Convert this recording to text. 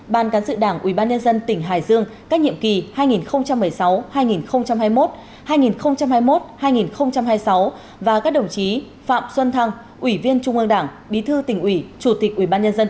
ban cán sự đảng ubnd tỉnh hải dương các nhiệm kỳ hai nghìn một mươi sáu hai nghìn hai mươi một hai nghìn hai mươi một hai nghìn hai mươi sáu và các đồng chí phạm xuân thăng ủy viên trung ương đảng bí thư tỉnh ủy chủ tịch ubnd